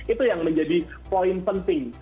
itu yang menjadi poin penting